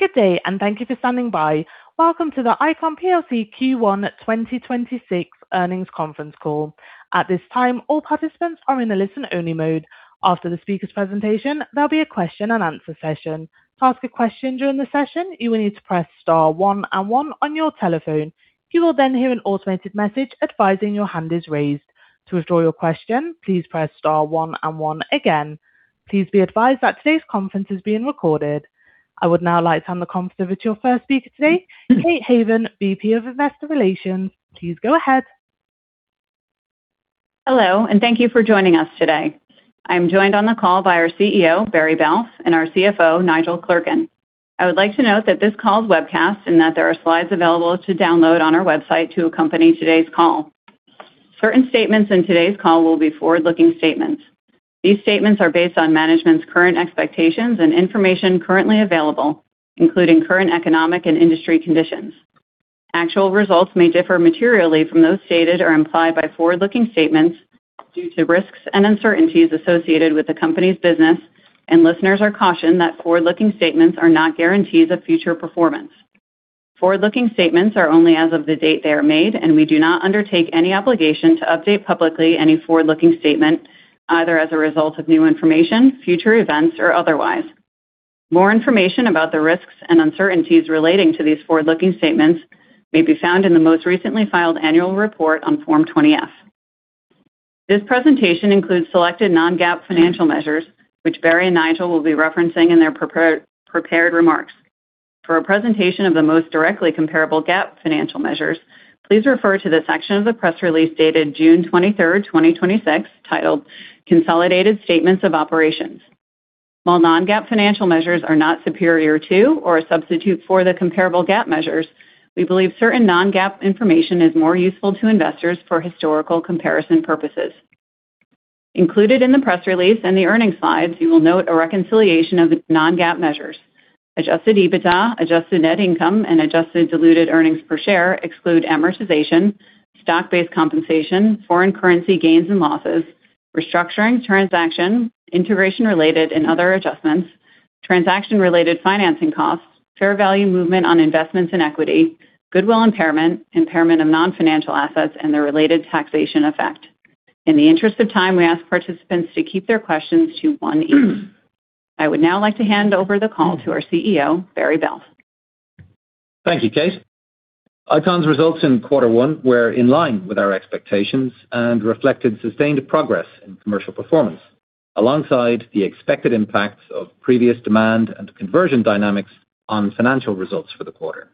Good day. Thank you for standing by. Welcome to the ICON plc Q1 2026 earnings conference call. At this time, all participants are in a listen-only mode. After the speaker's presentation, there'll be a question and answer session. To ask a question during the session, you will need to press star one and one on your telephone. You will hear an automated message advising your hand is raised. To withdraw your question, please press star one and one again. Please be advised that today's conference is being recorded. I would now like to hand the conference over to your first speaker today, Kate Haven, VP of Investor Relations. Please go ahead. Hello. Thank you for joining us today. I'm joined on the call by our CEO, Barry Balfe, and our CFO, Nigel Clerkin. I would like to note that this call is webcast and that there are slides available to download on our website to accompany today's call. Certain statements in today's call will be forward-looking statements. These statements are based on management's current expectations and information currently available, including current economic and industry conditions. Actual results may differ materially from those stated or implied by forward-looking statements due to risks and uncertainties associated with the company's business. Listeners are cautioned that forward-looking statements are not guarantees of future performance. Forward-looking statements are only as of the date they are made. We do not undertake any obligation to update publicly any forward-looking statement, either as a result of new information, future events, or otherwise. More information about the risks and uncertainties relating to these forward-looking statements may be found in the most recently filed annual report on Form 20-F. This presentation includes selected non-GAAP financial measures, which Barry and Nigel will be referencing in their prepared remarks. For a presentation of the most directly comparable GAAP financial measures, please refer to the section of the press release dated June 23rd, 2026, titled "Consolidated Statements of Operations." While non-GAAP financial measures are not superior to or a substitute for the comparable GAAP measures, we believe certain non-GAAP information is more useful to investors for historical comparison purposes. Included in the press release and the earnings slides, you will note a reconciliation of non-GAAP measures. Adjusted EBITDA, adjusted net income, and adjusted diluted earnings per share exclude amortization, stock-based compensation, foreign currency gains and losses, restructuring, transaction, integration-related, and other adjustments, transaction-related financing costs, fair value movement on investments in equity, goodwill impairment of non-financial assets, and their related taxation effect. In the interest of time, we ask participants to keep their questions to one each. I would now like to hand over the call to our CEO, Barry Balfe. Thank you, Kate. ICON's results in quarter one were in line with our expectations and reflected sustained progress in commercial performance, alongside the expected impacts of previous demand and conversion dynamics on financial results for the quarter.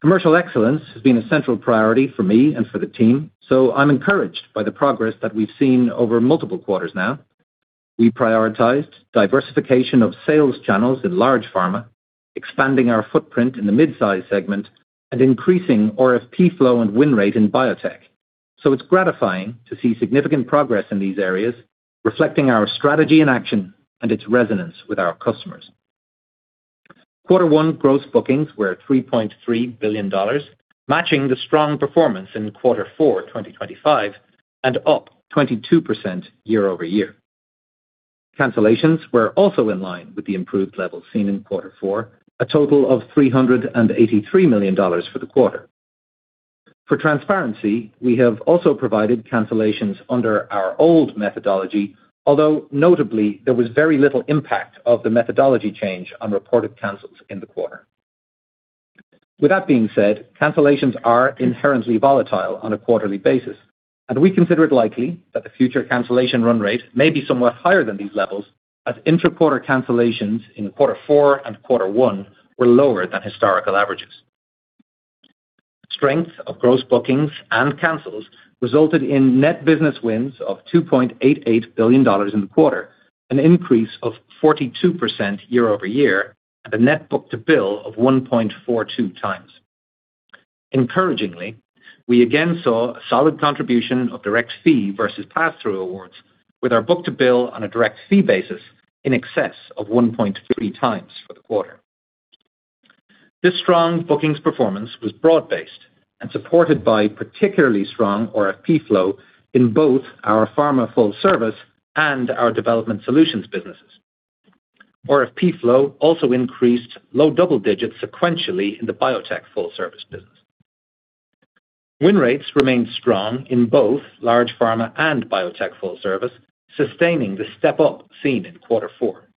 Commercial excellence has been a central priority for me and for the team. I'm encouraged by the progress that we've seen over multiple quarters now. We prioritized diversification of sales channels in large pharma, expanding our footprint in the midsize segment, and increasing RFP flow and win rate in biotech. It's gratifying to see significant progress in these areas, reflecting our strategy in action and its resonance with our customers. Quarter one gross bookings were $3.3 billion, matching the strong performance in quarter four 2025 and up 22% year-over-year. Cancellations were also in line with the improved levels seen in quarter four, a total of $383 million for the quarter. For transparency, we have also provided cancellations under our old methodology, although notably, there was very little impact of the methodology change on reported cancels in the quarter. With that being said, cancellations are inherently volatile on a quarterly basis, and we consider it likely that the future cancellation run rate may be somewhat higher than these levels as intra-quarter cancellations in quarter four and quarter one were lower than historical averages. Strength of gross bookings and cancels resulted in net business wins of $2.88 billion in the quarter, an increase of 42% year-over-year, and a net book-to-bill of 1.42x. Encouragingly, we again saw a solid contribution of direct fee versus passthrough awards with our book-to-bill on a direct fee basis in excess of 1.3x for the quarter. This strong bookings performance was broad-based and supported by particularly strong RFP flow in both our pharma full service and our development solutions businesses. RFP flow also increased low double digits sequentially in the biotech full service business. Win rates remained strong in both large pharma and biotech full service, sustaining the step up seen in quarter four.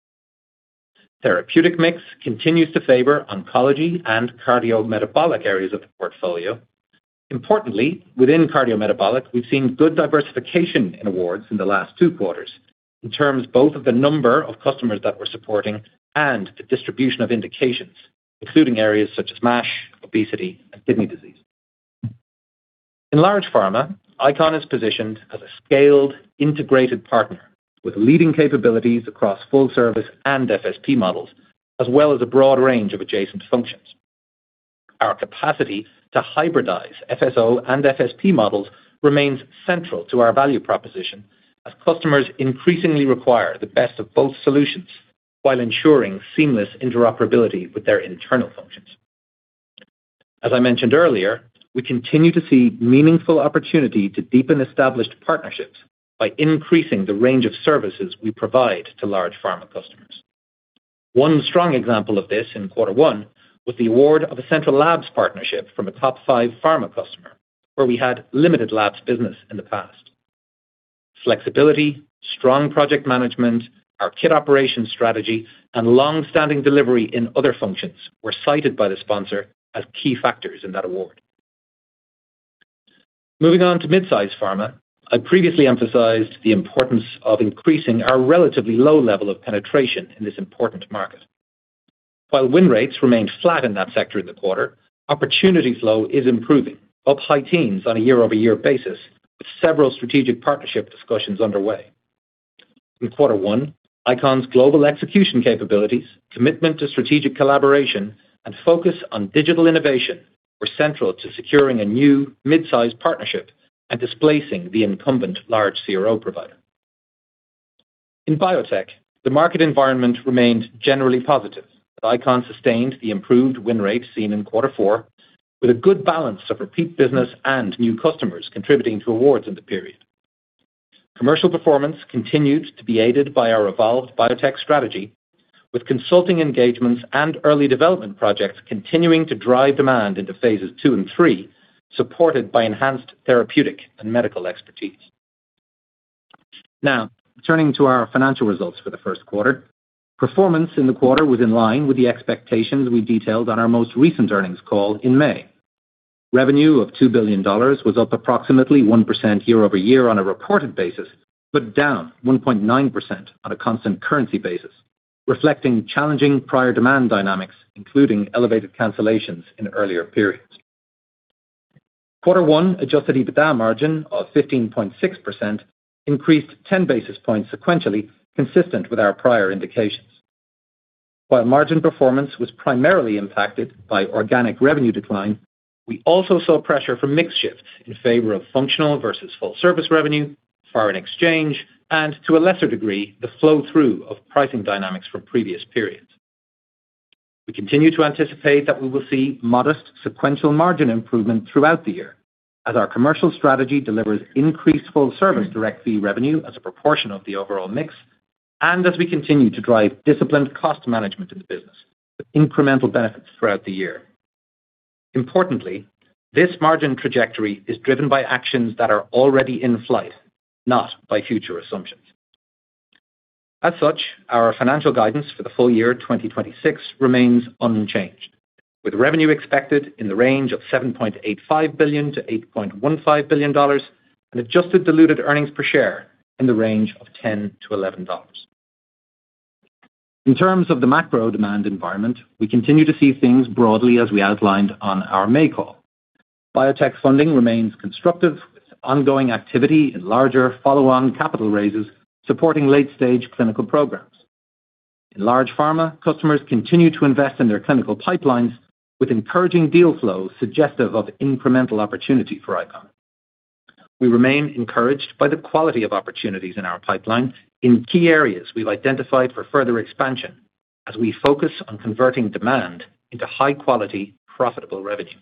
Therapeutic mix continues to favor oncology and cardiometabolic areas of the portfolio. Importantly, within cardiometabolic, we've seen good diversification in awards in the last two quarters in terms both of the number of customers that we're supporting and the distribution of indications, including areas such as MASH, obesity, and kidney disease. In large pharma, ICON is positioned as a scaled, integrated partner with leading capabilities across full service and FSP models, as well as a broad range of adjacent functions. Our capacity to hybridize FSO and FSP models remains central to our value proposition as customers increasingly require the best of both solutions while ensuring seamless interoperability with their internal functions. As I mentioned earlier, we continue to see meaningful opportunity to deepen established partnerships by increasing the range of services we provide to large pharma customers. One strong example of this in quarter one was the award of a central labs partnership from a top five pharma customer, where we had limited labs business in the past. Flexibility, strong project management, our kit operations strategy, and longstanding delivery in other functions were cited by the sponsor as key factors in that award. Moving on to mid-size pharma, I previously emphasized the importance of increasing our relatively low level of penetration in this important market. While win rates remained flat in that sector in the quarter, opportunities flow is improving, up high teens on a year-over-year basis, with several strategic partnership discussions underway. In quarter one, ICON's global execution capabilities, commitment to strategic collaboration, and focus on digital innovation were central to securing a new mid-size partnership and displacing the incumbent large CRO provider. In biotech, the market environment remained generally positive, and ICON sustained the improved win rates seen in quarter four with a good balance of repeat business and new customers contributing to awards in the period. Commercial performance continued to be aided by our evolved biotech strategy, with consulting engagements and early development projects continuing to drive demand into phases II and III, supported by enhanced therapeutic and medical expertise. Turning to our financial results for the first quarter. Performance in the quarter was in line with the expectations we detailed on our most recent earnings call in May. Revenue of $2 billion was up approximately 1% year-over-year on a reported basis, but down 1.9% on a constant currency basis, reflecting challenging prior demand dynamics, including elevated cancellations in earlier periods. Quarter one adjusted EBITDA margin of 15.6% increased 10 basis points sequentially, consistent with our prior indications. While margin performance was primarily impacted by organic revenue decline, we also saw pressure from mix shift in favor of functional versus full service revenue, foreign exchange, and to a lesser degree, the flow-through of pricing dynamics from previous periods. We continue to anticipate that we will see modest sequential margin improvement throughout the year as our commercial strategy delivers increased full-service direct fee revenue as a proportion of the overall mix and as we continue to drive disciplined cost management in the business with incremental benefits throughout the year. Importantly, this margin trajectory is driven by actions that are already in flight, not by future assumptions. As such, our financial guidance for the full year 2026 remains unchanged, with revenue expected in the range of $7.85 billion-$8.15 billion and adjusted diluted earnings per share in the range of $10-$11. In terms of the macro demand environment, we continue to see things broadly as we outlined on our May call. Biotech funding remains constructive with ongoing activity and larger follow-on capital raises supporting late-stage clinical programs. In large pharma, customers continue to invest in their clinical pipelines with encouraging deal flow suggestive of incremental opportunity for ICON. We remain encouraged by the quality of opportunities in our pipeline in key areas we've identified for further expansion as we focus on converting demand into high-quality, profitable revenue.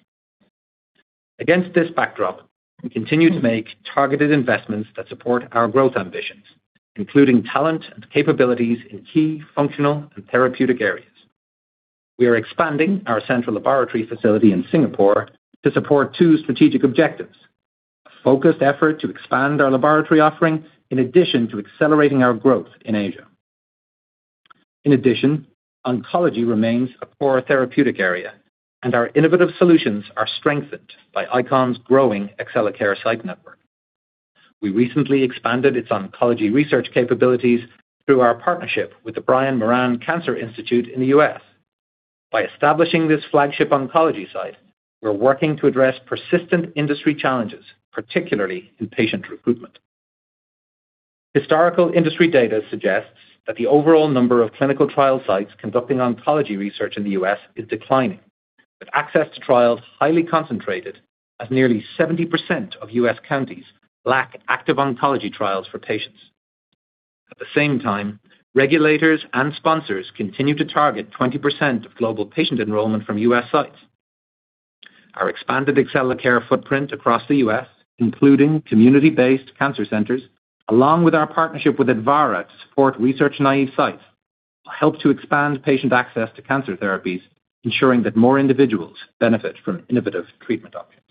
Against this backdrop, we continue to make targeted investments that support our growth ambitions, including talent and capabilities in key functional and therapeutic areas. We are expanding our central laboratory facility in Singapore to support two strategic objectives, a focused effort to expand our laboratory offering in addition to accelerating our growth in Asia. In addition, oncology remains a core therapeutic area and our innovative solutions are strengthened by ICON's growing Accellacare site network. We recently expanded its oncology research capabilities through our partnership with the Brian Moran Cancer Institute in the U.S. By establishing this flagship oncology site, we're working to address persistent industry challenges, particularly in patient recruitment. Historical industry data suggests that the overall number of clinical trial sites conducting oncology research in the U.S. is declining, with access to trials highly concentrated as nearly 70% of U.S. counties lack active oncology trials for patients. At the same time, regulators and sponsors continue to target 20% of global patient enrollment from U.S. sites. Our expanded Accellacare footprint across the U.S., including community-based cancer centers, along with our partnership with Advarra to support research-naive sites, will help to expand patient access to cancer therapies, ensuring that more individuals benefit from innovative treatment options.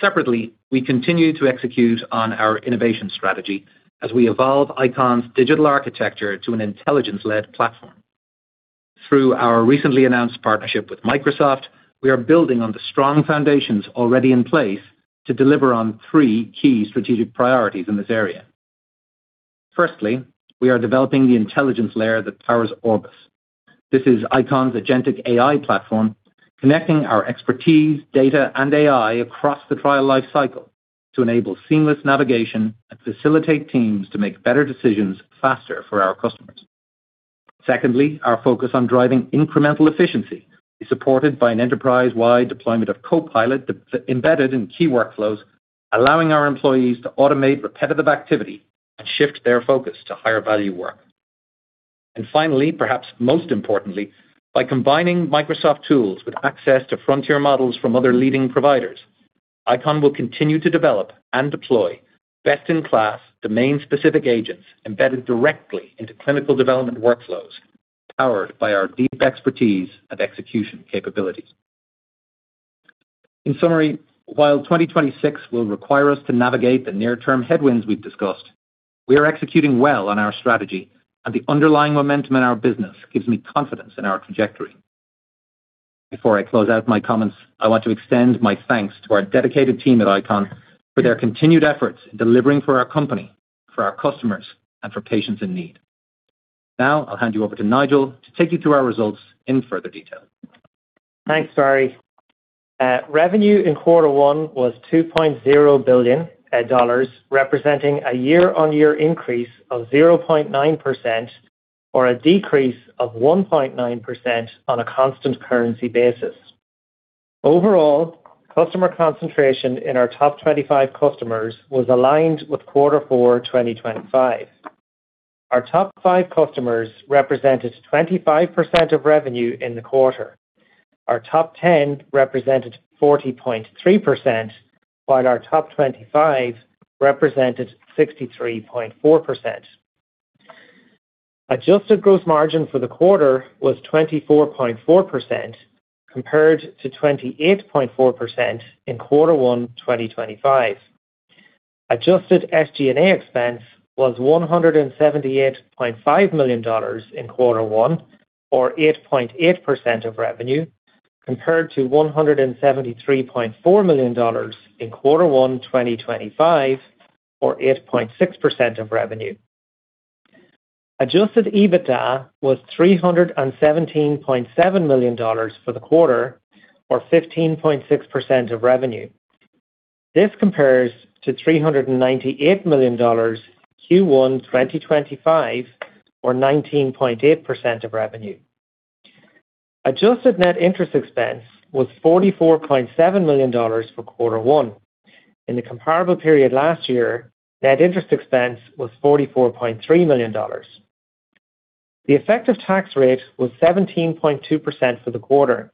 Separately, we continue to execute on our innovation strategy as we evolve ICON's digital architecture to an intelligence-led platform. Through our recently announced partnership with Microsoft, we are building on the strong foundations already in place to deliver on three key strategic priorities in this area. Firstly, we are developing the intelligence layer that powers Orbis. This is ICON's agentic AI platform, connecting our expertise, data, and AI across the trial lifecycle to enable seamless navigation and facilitate teams to make better decisions faster for our customers. Secondly, our focus on driving incremental efficiency is supported by an enterprise-wide deployment of Copilot embedded in key workflows, allowing our employees to automate repetitive activity and shift their focus to higher-value work. Finally, perhaps most importantly, by combining Microsoft tools with access to frontier models from other leading providers, ICON will continue to develop and deploy best-in-class domain-specific agents embedded directly into clinical development workflows, powered by our deep expertise and execution capabilities. In summary, while 2026 will require us to navigate the near-term headwinds we've discussed, we are executing well on our strategy, and the underlying momentum in our business gives me confidence in our trajectory. Before I close out my comments, I want to extend my thanks to our dedicated team at ICON for their continued efforts in delivering for our company, for our customers, and for patients in need. Now, I'll hand you over to Nigel to take you through our results in further detail. Thanks, Barry. Revenue in quarter one was $2.0 billion, representing a year-on-year increase of 0.9%, or a decrease of 1.9% on a constant currency basis. Overall, customer concentration in our top 25 customers was aligned with quarter four 2025. Our top five customers represented 25% of revenue in the quarter. Our top 10 represented 40.3%, while our top 25 represented 63.4%. Adjusted gross margin for the quarter was 24.4%, compared to 28.4% in quarter one 2025. Adjusted SG&A expense was $178.5 million in quarter one or 8.8% of revenue, compared to $173.4 million in quarter one 2025 or 8.6% of revenue. Adjusted EBITDA was $317.7 million for the quarter or 15.6% of revenue. This compares to $398 million Q1 2025 or 19.8% of revenue. Adjusted net interest expense was $44.7 million for quarter one. In the comparable period last year, net interest expense was $44.3 million. The effective tax rate was 17.2% for the quarter.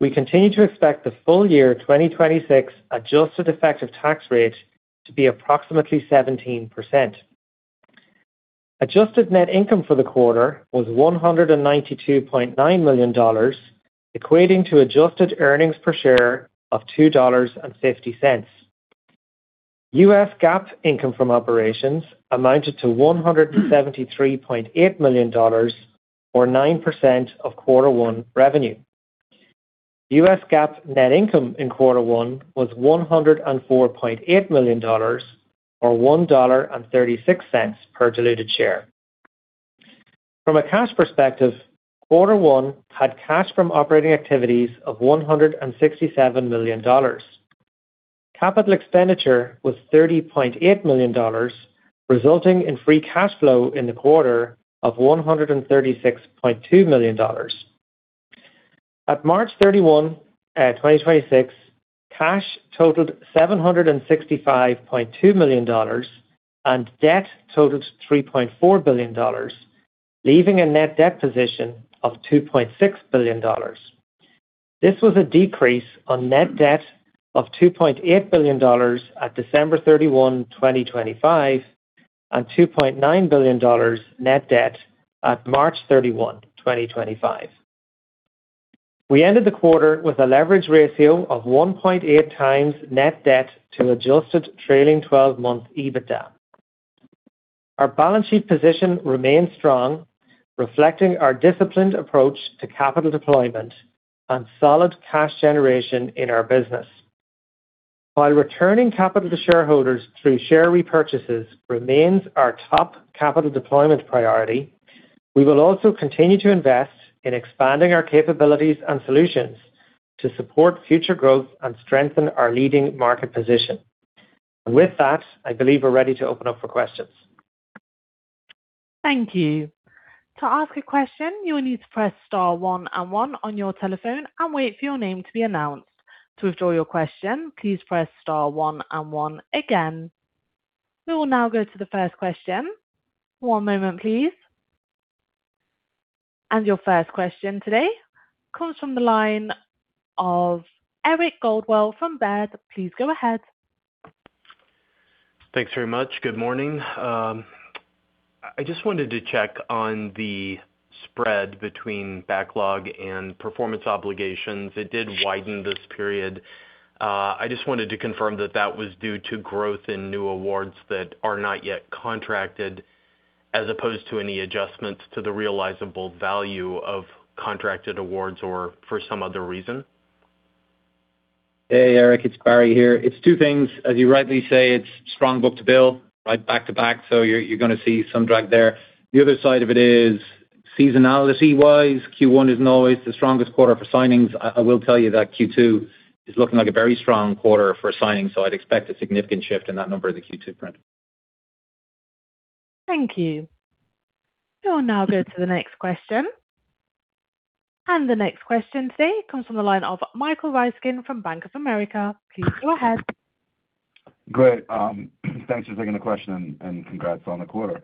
We continue to expect the full year 2026 adjusted effective tax rate to be approximately 17%. Adjusted net income for the quarter was $192.9 million, equating to adjusted earnings per share of $2.50. U.S. GAAP income from operations amounted to $173.8 million or 9% of quarter one revenue. U.S. GAAP net income in quarter one was $104.8 million or $1.36 per diluted share. From a cash perspective, quarter one had cash from operating activities of $167 million. Capital expenditure was $30.8 million, resulting in free cash flow in the quarter of $136.2 million. At March 31, 2026, cash totaled $765.2 million and debt totaled $3.4 billion, leaving a net debt position of $2.6 billion. This was a decrease on net debt of $2.8 billion at December 31, 2025 and $2.9 billion net debt at March 31, 2025. We ended the quarter with a leverage ratio of 1.8x net debt to adjusted trailing 12-month EBITDA. Our balance sheet position remains strong, reflecting our disciplined approach to capital deployment and solid cash generation in our business. While returning capital to shareholders through share repurchases remains our top capital deployment priority, we will also continue to invest in expanding our capabilities and solutions to support future growth and strengthen our leading market position. With that, I believe we're ready to open up for questions. Thank you. To ask a question, you will need to press star one and one on your telephone and wait for your name to be announced. To withdraw your question, please press star one and one again. We will now go to the first question. One moment, please. Your first question today comes from the line of Eric Coldwell from Baird. Please go ahead. Thanks very much. Good morning. I just wanted to check on the spread between backlog and performance obligations. It did widen this period. I just wanted to confirm that that was due to growth in new awards that are not yet contracted, as opposed to any adjustments to the realizable value of contracted awards or for some other reason. Hey, Eric, it's Barry here. It's two things. As you rightly say, it's strong book-to-bill, right back to back. You're going to see some drag there. The other side of it is seasonality-wise, Q1 isn't always the strongest quarter for signings. I will tell you that Q2 is looking like a very strong quarter for signings, so I'd expect a significant shift in that number in the Q2 print. Thank you. We will now go to the next question. The next question today comes from the line of Michael Ryskin from Bank of America. Please go ahead. Great. Thanks for taking the question, and congrats on the quarter.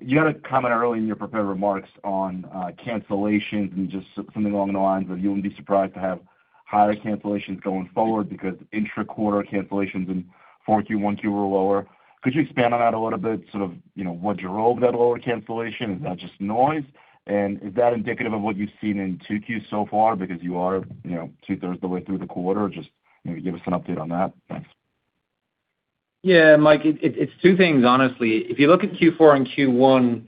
You had a comment earlier in your prepared remarks on cancellations and just something along the lines of you wouldn't be surprised to have higher cancellations going forward because intra-quarter cancellations in Q4, Q1 were lower. Could you expand on that a little bit? Sort of what drove that lower cancellation? Is that just noise? Is that indicative of what you've seen in 2Q so far because you are two-thirds of the way through the quarter? Just maybe give us an update on that. Thanks. Yeah, Mike, it's two things, honestly. If you look at Q4 and Q1,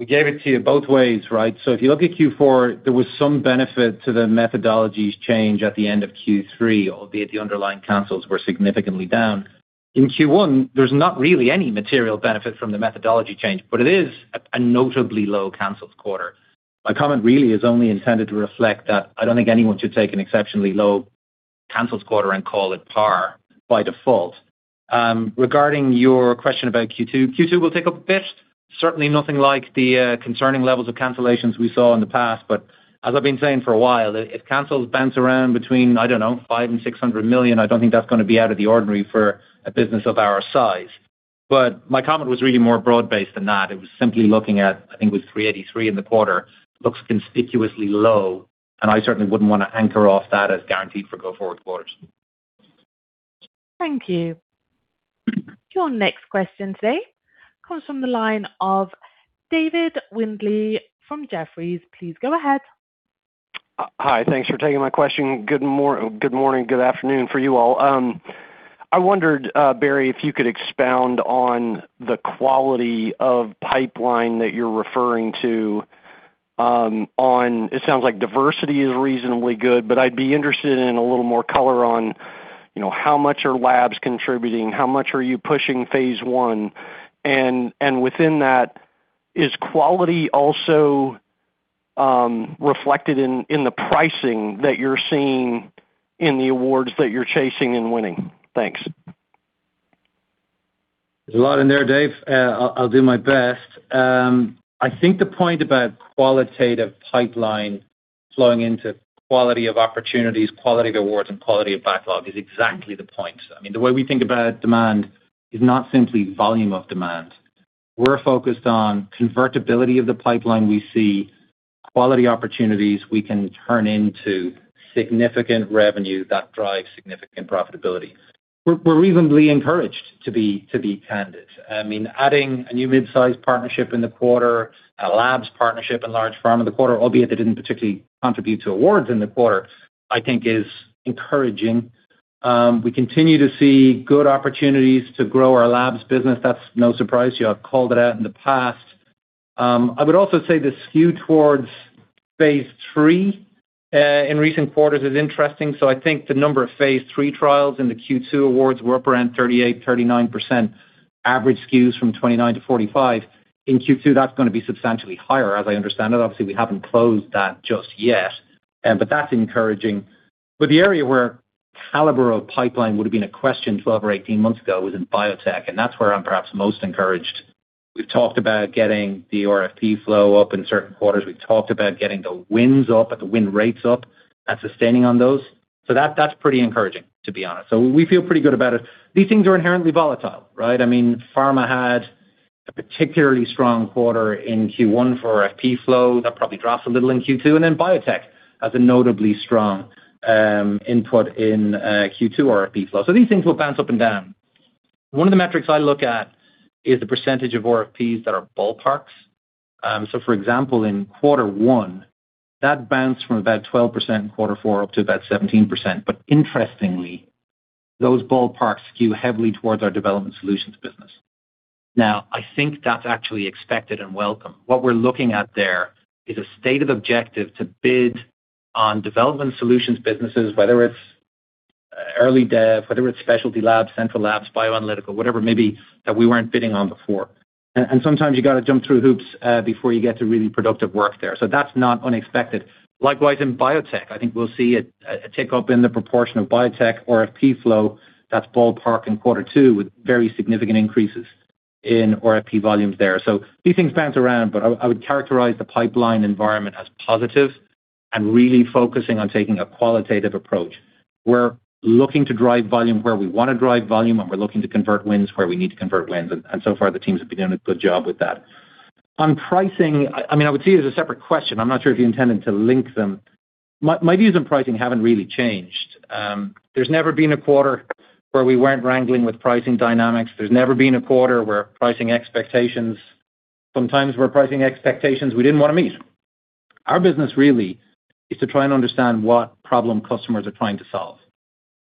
we gave it to you both ways, right? If you look at Q4, there was some benefit to the methodologies change at the end of Q3, albeit the underlying cancels were significantly down. In Q1, there's not really any material benefit from the methodology change, but it is a notably low cancels quarter. My comment really is only intended to reflect that I don't think anyone should take an exceptionally low cancels quarter and call it par by default. Regarding your question about Q2 will tick up a bit. Certainly nothing like the concerning levels of cancellations we saw in the past, as I've been saying for a while, if cancels bounce around between, I don't know, $500 million and $600 million, I don't think that's going to be out of the ordinary for a business of our size. My comment was really more broad-based than that. It was simply looking at, I think it was $383 million in the quarter, looks conspicuously low, and I certainly wouldn't want to anchor off that as guaranteed for go-forward quarters. Thank you. Your next question today comes from the line of David Windley from Jefferies. Please go ahead. Hi. Thanks for taking my question. Good morning, good afternoon for you all. I wondered, Barry, if you could expound on the quality of pipeline that you're referring to. It sounds like diversity is reasonably good, but I'd be interested in a little more color on how much are labs contributing, how much are you pushing phase I. Within that, is quality also reflected in the pricing that you're seeing in the awards that you're chasing and winning? Thanks. There's a lot in there, Dave. I'll do my best. I think the point about qualitative pipeline flowing into quality of opportunities, quality of awards, and quality of backlog is exactly the point. The way we think about demand is not simply volume of demand. We're focused on convertibility of the pipeline we see, quality opportunities we can turn into significant revenue that drives significant profitability. We're reasonably encouraged to be candid. Adding a new mid-size partnership in the quarter, a labs partnership, and large pharma in the quarter, albeit they didn't particularly contribute to awards in the quarter, I think is encouraging. We continue to see good opportunities to grow our labs business. That's no surprise to you. I've called it out in the past. I would also say the skew towards phase III, in recent quarters is interesting. I think the number of phase III trials in the Q2 awards were around 38%-39%, average skews from 29% to 45%. In Q2, that's going to be substantially higher, as I understand it. Obviously, we haven't closed that just yet. That's encouraging. The area where caliber of pipeline would have been a question 12 or 18 months ago was in biotech, and that's where I'm perhaps most encouraged. We've talked about getting the RFP flow up in certain quarters. We've talked about getting the wins up and the win rates up and sustaining on those. That's pretty encouraging, to be honest. We feel pretty good about it. These things are inherently volatile, right? Pharma had a particularly strong quarter in Q1 for RFP flow. That probably drops a little in Q2, and then biotech has a notably strong input in Q2 RFP flow. These things will bounce up and down. One of the metrics I look at is the percentage of RFPs that are ballparks. For example, in quarter one, that bounced from about 12% in quarter four up to about 17%. Interestingly, those ballparks skew heavily towards our development solutions business. I think that's actually expected and welcome. What we're looking at there is a state of objective to bid on development solutions businesses, whether it's early dev, whether it's specialty labs, central labs, bioanalytical, whatever it may be that we weren't bidding on before. Sometimes you got to jump through hoops before you get to really productive work there. That's not unexpected. Likewise, in biotech, I think we'll see a tick up in the proportion of biotech RFP flow that's ballpark in quarter two with very significant increases in RFP volumes there. These things bounce around, I would characterize the pipeline environment as positive and really focusing on taking a qualitative approach. We're looking to drive volume where we want to drive volume, we're looking to convert wins where we need to convert wins, so far, the teams have been doing a good job with that. On pricing, I would see it as a separate question. I'm not sure if you intended to link them. My views on pricing haven't really changed. There's never been a quarter where we weren't wrangling with pricing dynamics. There's never been a quarter where pricing expectations we didn't want to meet. Our business really is to try and understand what problem customers are trying to solve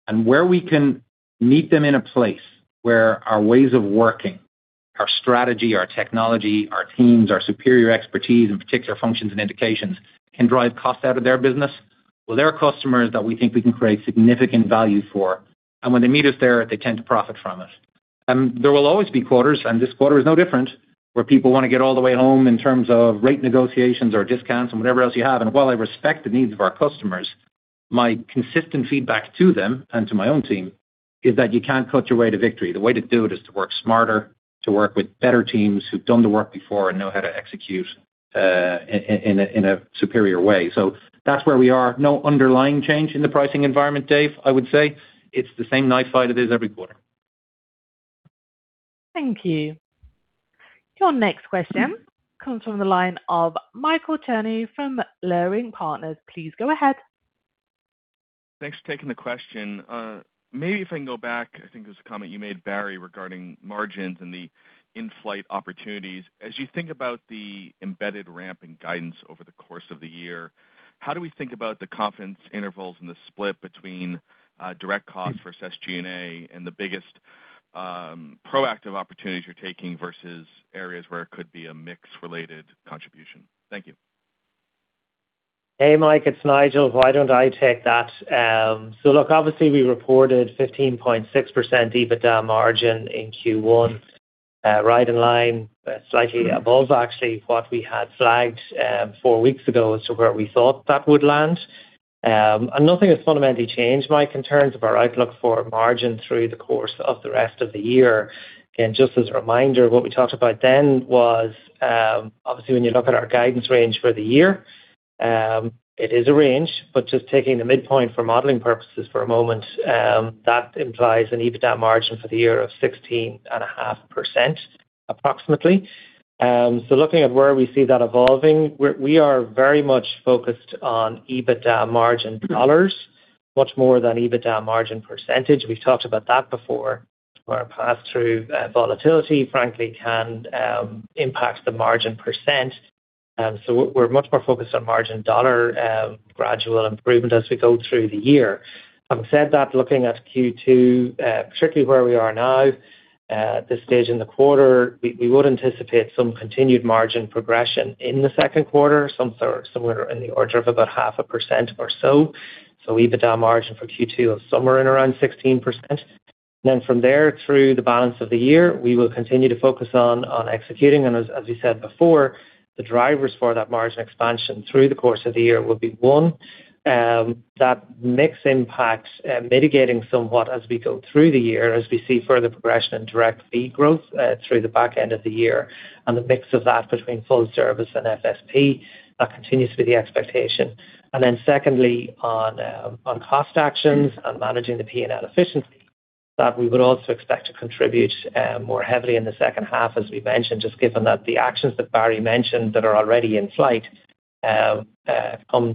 and where we can meet them in a place where our ways of working, our strategy, our technology, our teams, our superior expertise in particular functions and indications can drive cost out of their business. They're customers that we think we can create significant value for, when they meet us there, they tend to profit from us. There will always be quarters, this quarter is no different, where people want to get all the way home in terms of rate negotiations or discounts and whatever else you have. While I respect the needs of our customers, my consistent feedback to them and to my own team is that you can't cut your way to victory. The way to do it is to work smarter, to work with better teams who've done the work before and know how to execute in a superior way. That's where we are. No underlying change in the pricing environment, Dave, I would say. It's the same knife fight it is every quarter. Thank you. Your next question comes from the line of Michael Cherny from Leerink Partners. Please go ahead. Thanks for taking the question. Maybe if I can go back, I think it was a comment you made, Barry, regarding margins and the in-flight opportunities. As you think about the embedded ramp in guidance over the course of the year, how do we think about the confidence intervals and the split between direct cost versus G&A and the biggest proactive opportunities you're taking versus areas where it could be a mix-related contribution? Thank you. Hey, Mike, it's Nigel. Why don't I take that? Look, obviously we reported 15.6% EBITDA margin in Q1, right in line, slightly above actually what we had flagged four weeks ago as to where we thought that would land. Nothing has fundamentally changed, Mike, in terms of our outlook for margin through the course of the rest of the year. Again, just as a reminder, what we talked about then was, obviously when you look at our guidance range for the year, it is a range, but just taking the midpoint for modeling purposes for a moment, that implies an EBITDA margin for the year of 16.5% approximately. Looking at where we see that evolving, we are very much focused on EBITDA margin dollars, much more than EBITDA margin percentage. We've talked about that before, where our pass-through volatility frankly can impact the margin percent. We're much more focused on margin dollar gradual improvement as we go through the year. Having said that, looking at Q2, particularly where we are now at this stage in the quarter, we would anticipate some continued margin progression in the second quarter, somewhere in the order of about 0.5% or so. EBITDA margin for Q2 of somewhere in around 16%. From there through the balance of the year, we will continue to focus on executing. As we said before, the drivers for that margin expansion through the course of the year will be, one, that mix impact mitigating somewhat as we go through the year, as we see further progression in direct fee growth through the back end of the year and the mix of that between full service and FSP. That continues to be the expectation. Secondly, on cost actions and managing the P&L efficiently, that we would also expect to contribute more heavily in the second half as we mentioned, just given that the actions that Barry mentioned that are already in flight come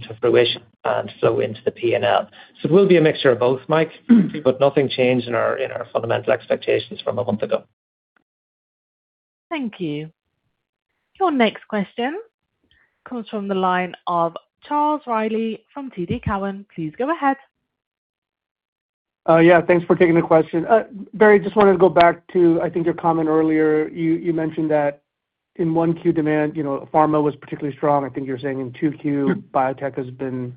to fruition and flow into the P&L. It will be a mixture of both, Mike, but nothing changed in our fundamental expectations from a month ago. Thank you. Your next question comes from the line of Charles Rhyee from TD Cowen. Please go ahead. Thanks for taking the question. Barry, just wanted to go back to, I think, your comment earlier. You mentioned that in 1Q demand, pharma was particularly strong. I think you were saying in 2Q biotech has been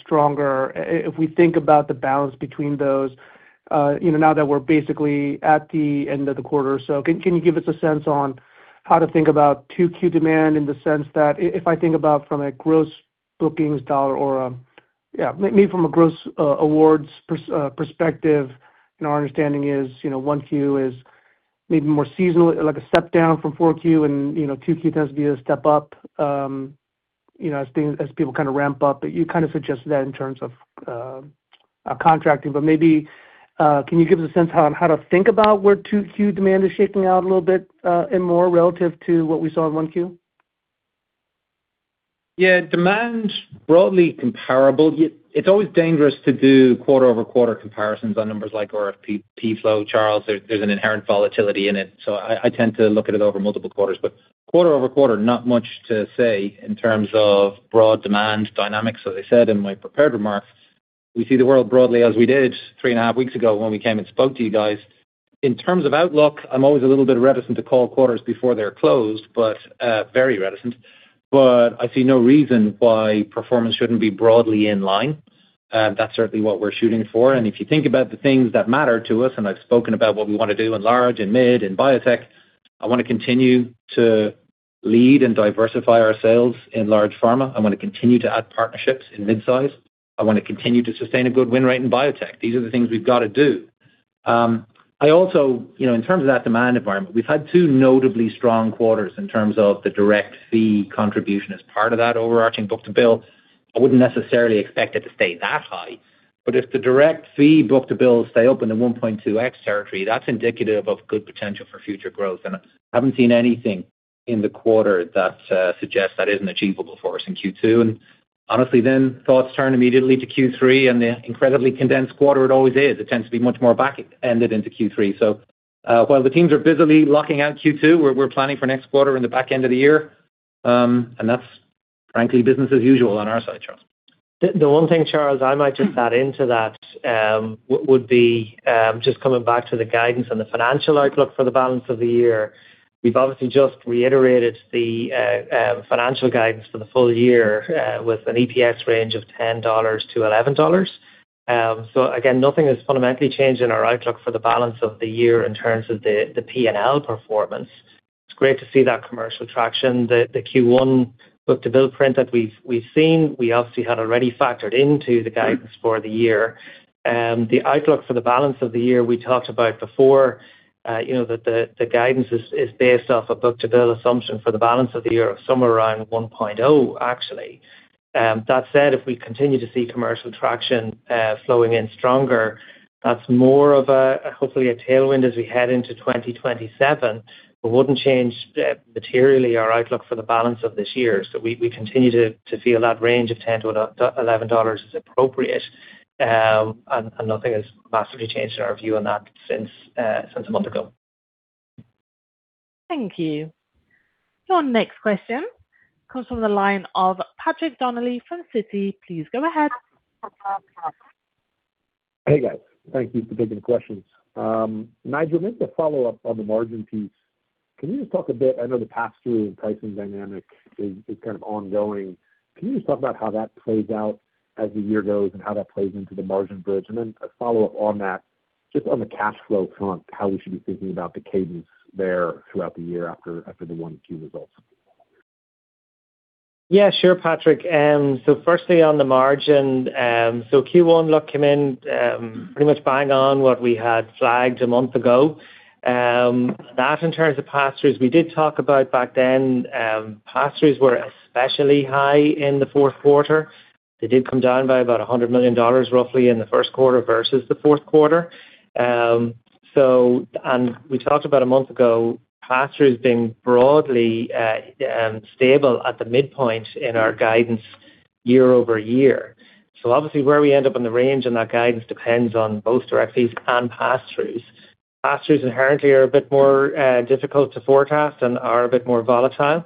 stronger. If we think about the balance between those, now that we're basically at the end of the quarter or so, can you give us a sense on how to think about 2Q demand in the sense that if I think about from a gross bookings dollar or maybe from a gross awards perspective and our understanding is 1Q is maybe more seasonal, like a step down from 4Q and 2Q tends to be a step up as people kind of ramp up. You kind of suggested that in terms of contracting, maybe can you give us a sense on how to think about where 2Q demand is shaping out a little bit and more relative to what we saw in 1Q? Yeah. Demand's broadly comparable. It's always dangerous to do quarter-over-quarter comparisons on numbers like RFP p-flow, Charles. There's an inherent volatility in it. I tend to look at it over multiple quarters. Quarter-over-quarter, not much to say in terms of broad demand dynamics. As I said in my prepared remarks, we see the world broadly as we did three and a half weeks ago when we came and spoke to you guys. In terms of outlook, I'm always a little bit reticent to call quarters before they're closed, very reticent. I see no reason why performance shouldn't be broadly in line. That's certainly what we're shooting for. If you think about the things that matter to us, I've spoken about what we want to do in large and mid and biotech, I want to continue to lead and diversify our sales in large pharma. I want to continue to add partnerships in mid-size. I want to continue to sustain a good win rate in biotech. These are the things we've got to do. In terms of that demand environment, we've had two notably strong quarters in terms of the direct fee contribution as part of that overarching book-to-bill. I wouldn't necessarily expect it to stay that high, but if the direct fee book-to-bill stay up in the 1.2x territory, that's indicative of good potential for future growth. I haven't seen anything in the quarter that suggests that isn't achievable for us in Q2. Honestly, thoughts turn immediately to Q3 and the incredibly condensed quarter it always is. It tends to be much more back-ended into Q3. While the teams are busily locking out Q2, we're planning for next quarter in the back end of the year. That's frankly business as usual on our side, Charles. The one thing, Charles, I might just add into that would be just coming back to the guidance and the financial outlook for the balance of the year. We've obviously just reiterated the financial guidance for the full year with an EPS range of $10-$11. Again, nothing has fundamentally changed in our outlook for the balance of the year in terms of the P&L performance. It's great to see that commercial traction. The Q1 book-to-bill print that we've seen, we obviously had already factored into the guidance for the year. The outlook for the balance of the year we talked about before, the guidance is based off a book-to-bill assumption for the balance of the year of somewhere around 1.0x, actually. That said, if we continue to see commercial traction flowing in stronger, that's more of hopefully a tailwind as we head into 2027, but wouldn't change materially our outlook for the balance of this year. We continue to feel that range of $10-$11 is appropriate, and nothing has massively changed in our view on that since a month ago. Thank you. Your next question comes from the line of Patrick Donnelly from Citi. Please go ahead. Hey, guys. Thank you for taking the questions. Nigel, maybe to follow up on the margin piece, can you just talk? I know the pass-through and pricing dynamic is kind of ongoing. Can you just talk about how that plays out as the year goes and how that plays into the margin bridge? A follow-up on that, just on the cash flow front, how we should be thinking about the cadence there throughout the year after the 1Q results. Yeah, sure, Patrick. Firstly, on the margin. Q1 look came in pretty much bang on what we had flagged a month ago. That in terms of pass-throughs we did talk about back then pass-throughs were especially high in the fourth quarter. They did come down by about $100 million roughly in the first quarter versus the fourth quarter. We talked about a month ago, pass-throughs being broadly stable at the midpoint in our guidance year-over-year. Obviously where we end up in the range on that guidance depends on both direct fees and pass-throughs. Pass-throughs inherently are a bit more difficult to forecast and are a bit more volatile.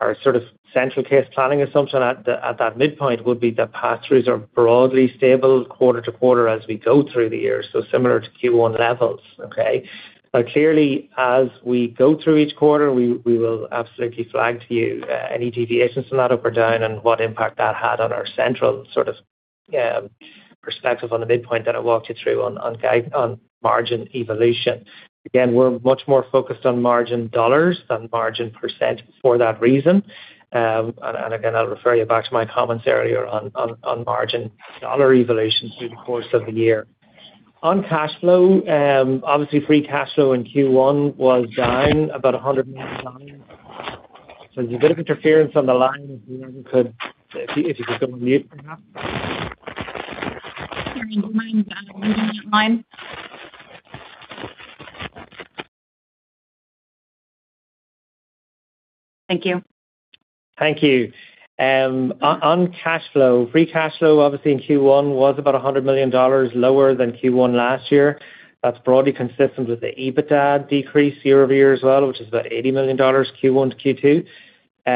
Our sort of central case planning assumption at that midpoint would be that pass-throughs are broadly stable quarter to quarter as we go through the year, so similar to Q1 levels. Okay? Now clearly, as we go through each quarter, we will absolutely flag to you any deviations from that up or down and what impact that had on our central sort of perspective on the midpoint that I walked you through on margin evolution. Again, we're much more focused on margin dollars than margin percent for that reason. Again, I'll refer you back to my comments earlier on margin dollar evolution through the course of the year. On cash flow, obviously free cash flow in Q1 was down about $100 million. There's a bit of interference on the line if you could go on mute perhaps. Sorry. We'll mute that line. Thank you. Thank you. On cash flow, free cash flow obviously in Q1 was about $100 million lower than Q1 last year. That's broadly consistent with the EBITDA decrease year-over-year as well, which is about $80 million Q1 to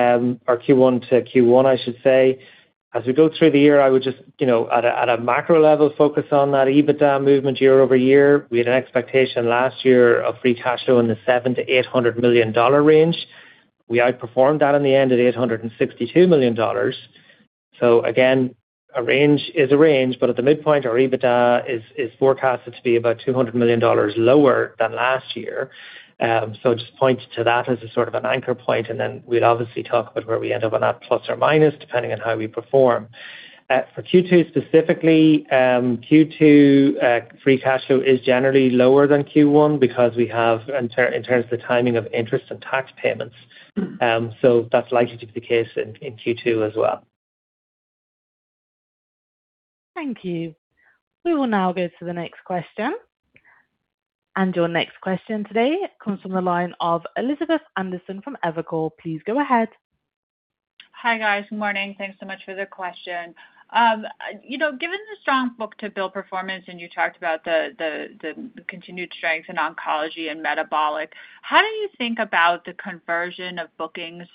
Q2, or Q1 to Q1, I should say. As we go through the year, I would just at a macro level, focus on that EBITDA movement year-over-year. We had an expectation last year of free cash flow in the $700 million-$800 million range. We outperformed that in the end at $862 million. Again, a range is a range, but at the midpoint, our EBITDA is forecasted to be about $200 million lower than last year. Just point to that as a sort of an anchor point, and then we'd obviously talk about where we end up on that plus or minus, depending on how we perform. For Q2 specifically, Q2 free cash flow is generally lower than Q1 because we have in terms of the timing of interest and tax payments. That's likely to be the case in Q2 as well. Thank you. We will now go to the next question. Your next question today comes from the line of Elizabeth Anderson from Evercore. Please go ahead. Hi, guys. Good morning. Thanks so much for the question. Given the strong book-to-bill performance, you talked about the continued strength in oncology and metabolic, how do you think about the conversion of bookings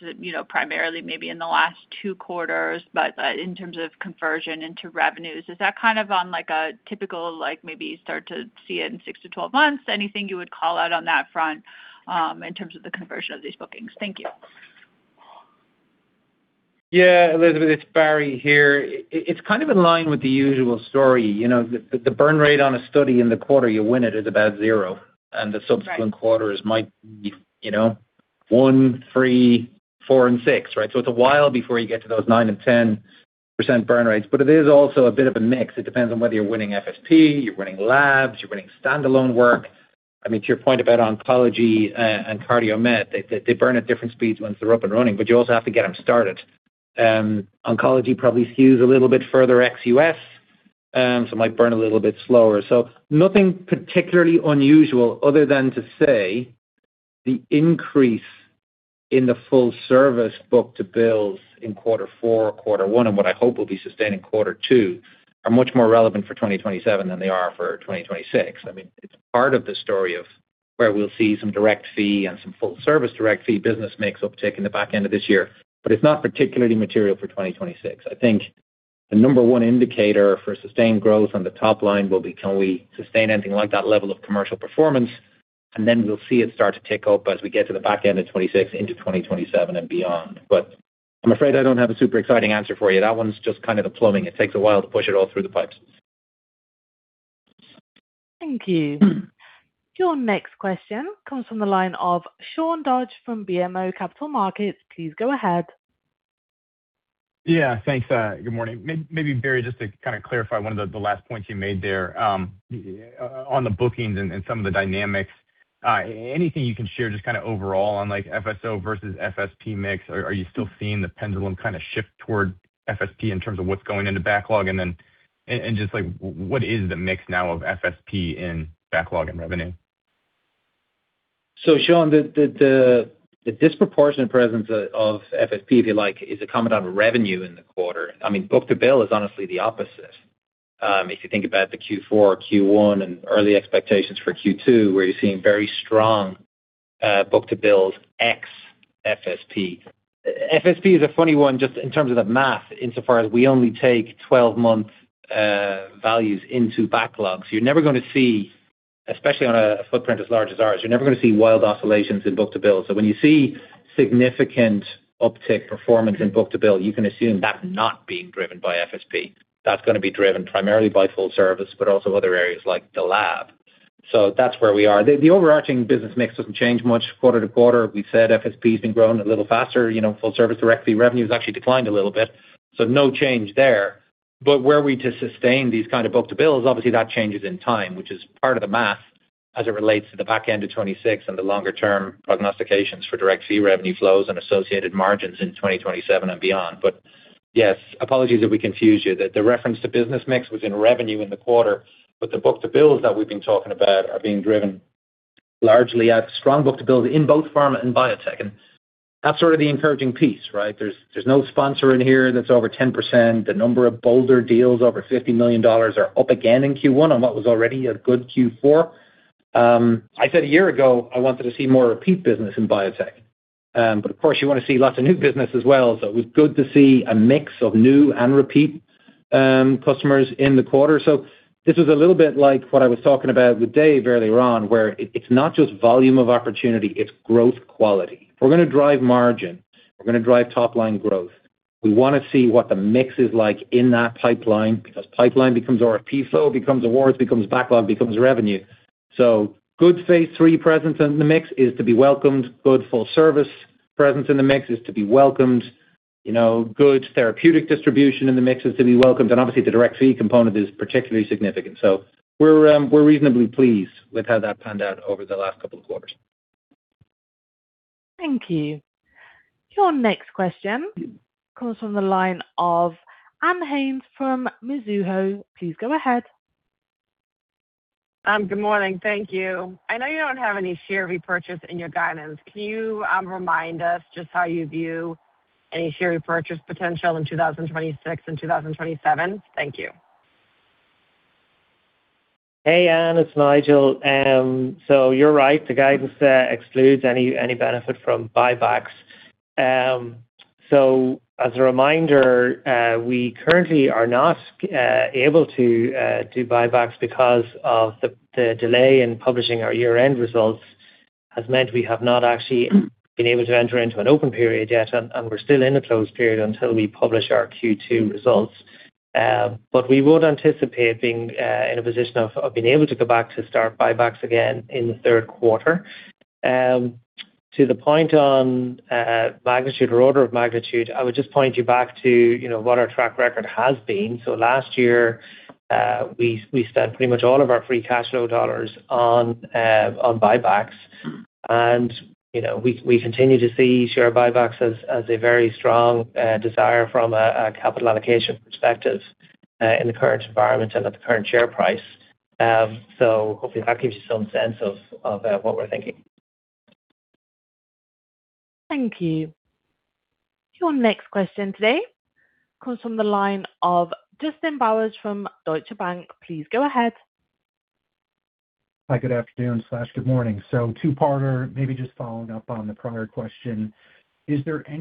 primarily maybe in the last two quarters, but in terms of conversion into revenues? Is that kind of on a typical maybe start to see it in 6-12 months? Anything you would call out on that front in terms of the conversion of these bookings? Thank you. Yeah, Elizabeth, it's Barry here. It's kind of in line with the usual story. The burn rate on a study in the quarter you win it is about zero. Right. The subsequent quarters might be one, three, four, and six, right? It's a while before you get to those nine and 10% burn rates. It is also a bit of a mix. It depends on whether you're winning FSP, you're winning labs, you're winning standalone work. To your point about oncology and cardiomet, they burn at different speeds once they're up and running, but you also have to get them started. Oncology probably skews a little bit further ex-U.S., so it might burn a little bit slower. Nothing particularly unusual other than to say the increase in the full service book-to-bills in quarter four or quarter one, and what I hope will be sustained in quarter two are much more relevant for 2027 than they are for 2026. It's part of the story of where we'll see some direct fee and some full service direct fee business mix uptick in the back end of this year. It's not particularly material for 2026. I think the number one indicator for sustained growth on the top line will be can we sustain anything like that level of commercial performance, and then we'll see it start to tick up as we get to the back end of 2026 into 2027 and beyond. I'm afraid I don't have a super exciting answer for you. That one's just kind of the plumbing. It takes a while to push it all through the pipes. Thank you. Your next question comes from the line of Sean Dodge from BMO Capital Markets. Please go ahead. Yeah, thanks. Good morning. Maybe, Barry, just to clarify one of the last points you made there on the bookings and some of the dynamics. Anything you can share just overall on FSO versus FSP mix? Are you still seeing the pendulum shift toward FSP in terms of what's going into backlog? Then just what is the mix now of FSP in backlog and revenue? Sean, the disproportionate presence of FSP, if you like, is a comment on revenue in the quarter. Book-to-bill is honestly the opposite. If you think about the Q4, Q1, and early expectations for Q2, where you're seeing very strong book-to-bill ex FSP. FSP is a funny one, just in terms of the math, insofar as we only take 12-month values into backlogs. Especially on a footprint as large as ours, you're never going to see wild oscillations in book-to-bill. When you see significant uptick performance in book-to-bill, you can assume that's not being driven by FSP. That's going to be driven primarily by full service, but also other areas like the lab. That's where we are. The overarching business mix doesn't change much quarter to quarter. We said FSP's been growing a little faster. Full service direct fee revenue's actually declined a little bit. No change there. Were we to sustain these kind of book-to-bills, obviously that changes in time, which is part of the math as it relates to the back end of 2026 and the longer-term prognostications for direct fee revenue flows and associated margins in 2027 and beyond. Yes, apologies if we confused you. The reference to business mix was in revenue in the quarter, but the book-to-bills that we've been talking about are being driven largely at strong book-to-bill in both pharma and biotech. That's sort of the encouraging piece, right? There's no sponsor in here that's over 10%. The number of bolder deals over $50 million are up again in Q1 on what was already a good Q4. I said a year ago I wanted to see more repeat business in biotech. Of course you want to see lots of new business as well. It was good to see a mix of new and repeat customers in the quarter. This was a little bit like what I was talking about with Dave earlier on, where it's not just volume of opportunity, it's growth quality. If we're going to drive margin, we're going to drive top-line growth. We want to see what the mix is like in that pipeline, because pipeline becomes RFP flow, becomes awards, becomes backlog, becomes revenue. Good phase III presence in the mix is to be welcomed. Good full service presence in the mix is to be welcomed. Good therapeutic distribution in the mix is to be welcomed. Obviously the direct fee component is particularly significant. We're reasonably pleased with how that panned out over the last couple of quarters. Thank you. Your next question comes from the line of Ann Hynes from Mizuho. Please go ahead. Ann, good morning. Thank you. I know you don't have any share repurchase in your guidance. Can you remind us just how you view any share repurchase potential in 2026 and 2027? Thank you. Hey, Ann, it's Nigel. You're right, the guidance excludes any benefit from buybacks. As a reminder, we currently are not able to do buybacks because of the delay in publishing our year-end results has meant we have not actually been able to enter into an open period yet, and we're still in a closed period until we publish our Q2 results. We would anticipate being in a position of being able to go back to start buybacks again in the third quarter. To the point on magnitude or order of magnitude, I would just point you back to what our track record has been. Last year, we spent pretty much all of our free cash flow dollars on buybacks. We continue to see share buybacks as a very strong desire from a capital allocation perspective in the current environment and at the current share price. Hopefully that gives you some sense of what we're thinking. Thank you. Your next question today comes from the line of Justin Bowers from Deutsche Bank. Please go ahead. Hi, good afternoon/good morning. Two-parter, maybe just following up on the prior question. Are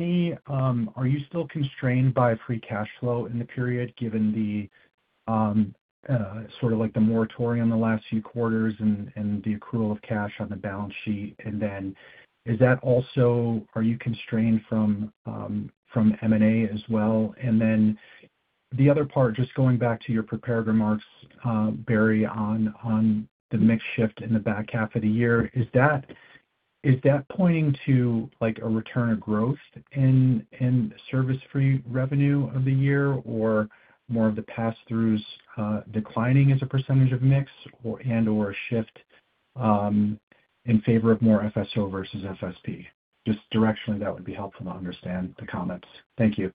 you still constrained by free cash flow in the period given the sort of the moratorium the last few quarters and the accrual of cash on the balance sheet? Are you constrained from M&A as well? The other part, just going back to your prepared remarks, Barry, on the mix shift in the back half of the year. Is that pointing to a return of growth in service for revenue of the year or more of the pass-throughs declining as a percentage of mix and/or a shift in favor of more FSO versus FSP? Just directionally, that would be helpful to understand the comments. Thank you.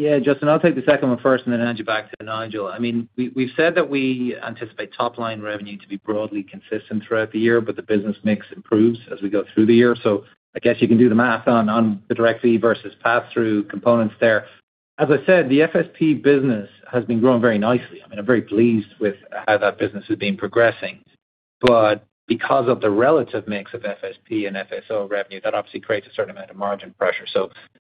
Yeah. Justin, I'll take the second one first and then hand you back to Nigel. We've said that we anticipate top-line revenue to be broadly consistent throughout the year, but the business mix improves as we go through the year. I guess you can do the math on the direct fee versus pass-through components there. As I said, the FSP business has been growing very nicely. I'm very pleased with how that business has been progressing. Because of the relative mix of FSP and FSO revenue, that obviously creates a certain amount of margin pressure.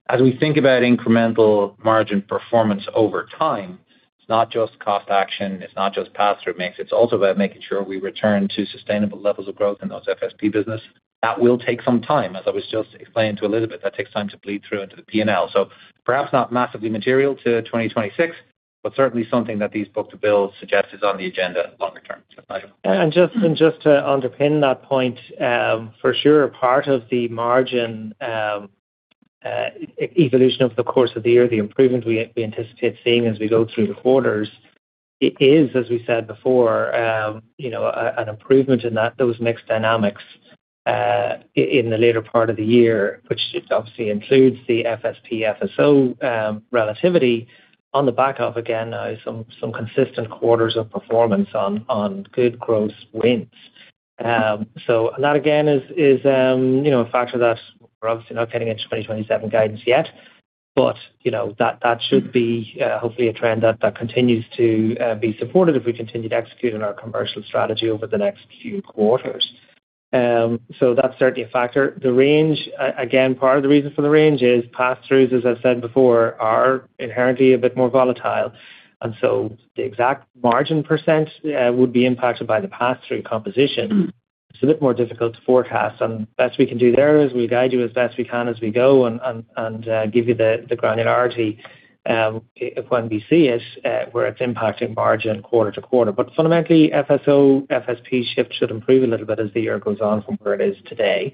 As we think about incremental margin performance over time, it's not just cost action, it's not just pass-through mix, it's also about making sure we return to sustainable levels of growth in those FSP business. That will take some time. As I was just explaining to Elizabeth, that takes time to bleed through into the P&L. Perhaps not massively material to 2026. Certainly something that these book-to-bill suggest is on the agenda longer term. Just to underpin that point, for sure, part of the margin evolution over the course of the year, the improvement we anticipate seeing as we go through the quarters, it is, as we said before, an improvement in those mixed dynamics in the later part of the year, which obviously includes the FSP, FSO relativity on the back of, again, now some consistent quarters of performance on good growth wins. That, again, is a factor that we're obviously not getting into 2027 guidance yet. That should be hopefully a trend that continues to be supported if we continue to execute on our commercial strategy over the next few quarters. That's certainly a factor. The range, again, part of the reason for the range is pass-throughs, as I've said before, are inherently a bit more volatile. The exact margin percent would be impacted by the pass-through composition. It's a bit more difficult to forecast, and best we can do there is we guide you as best we can as we go and give you the granularity when we see it where it's impacting margin quarter to quarter. Fundamentally, FSO, FSP shift should improve a little bit as the year goes on from where it is today.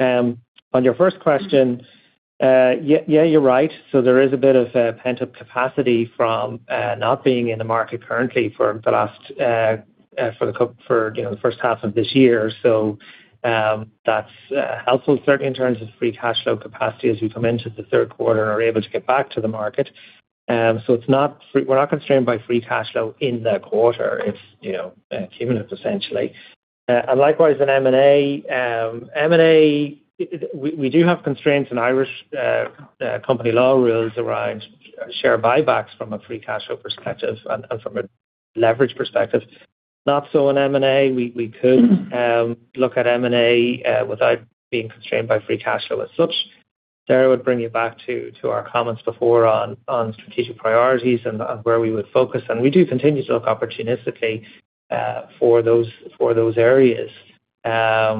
On your first question, yeah, you're right. There is a bit of pent-up capacity from not being in the market currently for the first half of this year. That's helpful certainly in terms of free cash flow capacity as we come into the third quarter and are able to get back to the market. We're not constrained by free cash flow in the quarter. It's cumulative, essentially. Likewise, in M&A, we do have constraints and Irish company law rules around share buybacks from a free cash flow perspective and from a leverage perspective. Not so in M&A. We could look at M&A without being constrained by free cash flow as such. There I would bring you back to our comments before on strategic priorities and where we would focus. We do continue to look opportunistically for those areas. At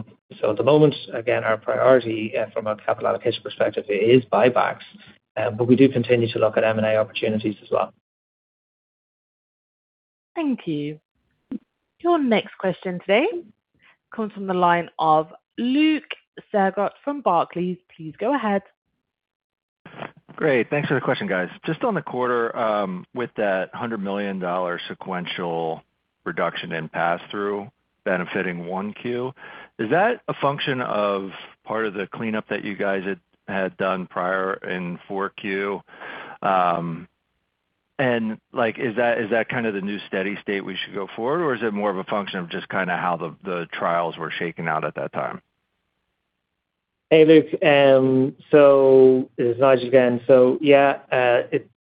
the moment, again, our priority from a capital allocation perspective is buybacks. We do continue to look at M&A opportunities as well. Thank you. Your next question today comes from the line of Luke Sergott from Barclays. Please go ahead. Great. Thanks for the question, guys. Just on the quarter, with that $100 million sequential reduction in pass-through benefiting 1Q, is that a function of part of the cleanup that you guys had done prior in 4Q? Is that kind of the new steady state we should go forward, or is it more of a function of just how the trials were shaken out at that time? Hey, Luke. This is Nigel again. Yeah,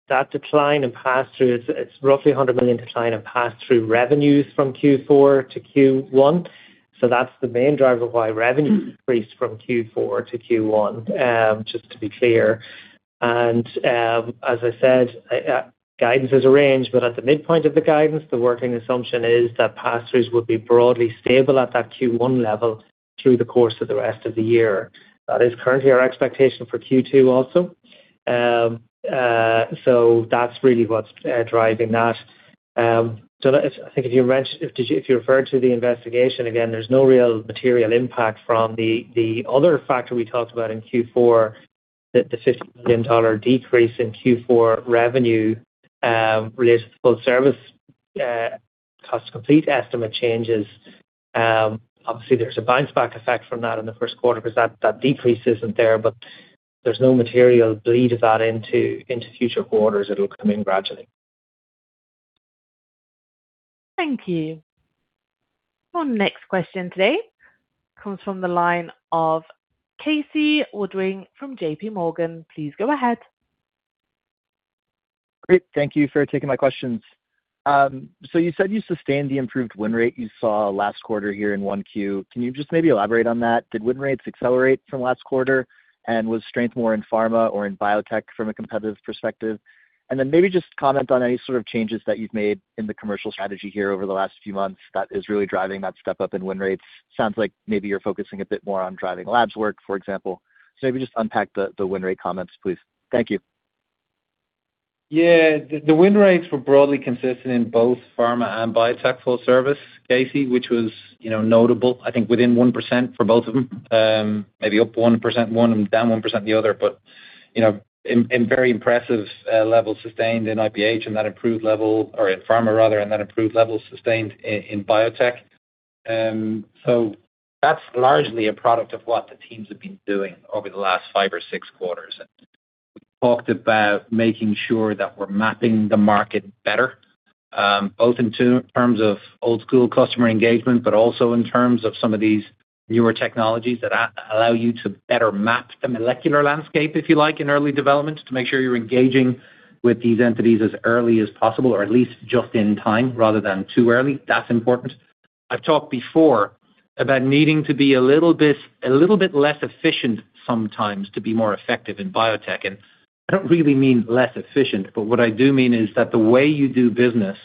that decline in pass-through, it's roughly $100 million decline in pass-through revenues from Q4 to Q1. That's the main driver why revenue decreased from Q4 to Q1, just to be clear. As I said, guidance is arranged, but at the midpoint of the guidance, the working assumption is that pass-throughs would be broadly stable at that Q1 level through the course of the rest of the year. That is currently our expectation for Q2 also. That's really what's driving that. I think if you referred to the investigation, again, there's no real material impact from the other factor we talked about in Q4 that the $50 million decrease in Q4 revenue related to full service cost to complete estimate changes. Obviously, there's a bounce back effect from that in the first quarter because that decrease isn't there, but there's no material bleed of that into future quarters. It'll come in gradually. Thank you. Our next question today comes from the line of Casey Woodring from JPMorgan. Please go ahead. Great. Thank you for taking my questions. You said you sustained the improved win rate you saw last quarter here in 1Q. Can you just maybe elaborate on that? Did win rates accelerate from last quarter? Was strength more in pharma or in biotech from a competitive perspective? Then maybe just comment on any sort of changes that you've made in the commercial strategy here over the last few months that is really driving that step up in win rates. Sounds like maybe you're focusing a bit more on driving labs work, for example. Maybe just unpack the win rate comments, please. Thank you. Yeah. The win rates were broadly consistent in both pharma and biotech full service, Casey, which was notable, I think within 1% for both of them. Maybe up 1% one and down 1% the other. But in very impressive levels sustained in IPH and that improved level or in pharma rather, and that improved level sustained in biotech. That's largely a product of what the teams have been doing over the last five or six quarters. We talked about making sure that we're mapping the market better, both in terms of old school customer engagement, but also in terms of some of these newer technologies that allow you to better map the molecular landscape, if you like, in early development to make sure you're engaging with these entities as early as possible or at least just in time rather than too early. That's important. I've talked before about needing to be a little bit less efficient sometimes to be more effective in biotech. I don't really mean less efficient, but what I do mean is that the way you do business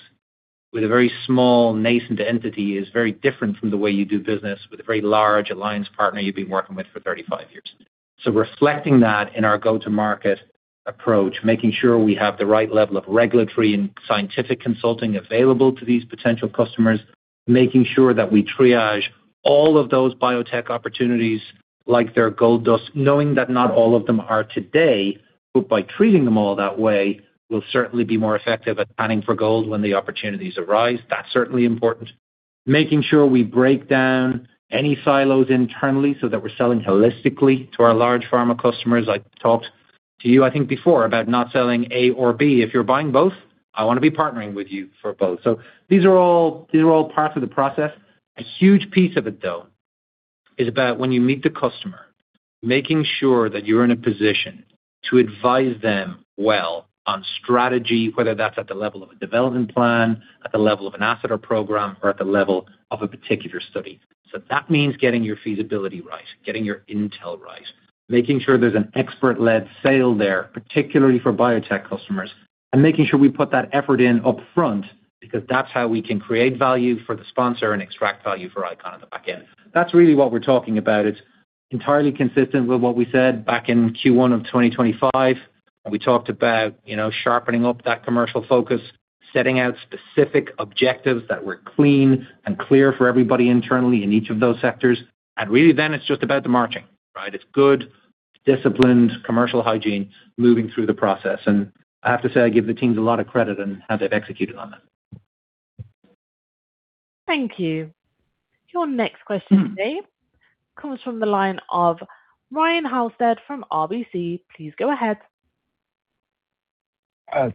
with a very small nascent entity is very different from the way you do business with a very large alliance partner you've been working with for 35 years. So reflecting that in our go-to-market approach, making sure we have the right level of regulatory and scientific consulting available to these potential customers. Making sure that we triage all of those biotech opportunities like they're gold dust, knowing that not all of them are today, but by treating them all that way, we'll certainly be more effective at panning for gold when the opportunities arise. That's certainly important. Making sure we break down any silos internally so that we're selling holistically to our large pharma customers. I talked to you, I think, before about not selling A or B. If you're buying both, I want to be partnering with you for both. These are all parts of the process. A huge piece of it, though, is about when you meet the customer, making sure that you're in a position to advise them well on strategy, whether that's at the level of a development plan, at the level of an asset or program, or at the level of a particular study. That means getting your feasibility right, getting your intel right, making sure there's an expert-led sale there, particularly for biotech customers, and making sure we put that effort in upfront, because that's how we can create value for the sponsor and extract value for ICON at the back end. That's really what we're talking about. It's entirely consistent with what we said back in Q1 of 2025, when we talked about sharpening up that commercial focus, setting out specific objectives that were clean and clear for everybody internally in each of those sectors. Really then it's just about the marching, right? It's good, disciplined commercial hygiene, moving through the process. I have to say, I give the teams a lot of credit on how they've executed on that. Thank you. Your next question today comes from the line of Ryan Halsted from RBC. Please go ahead.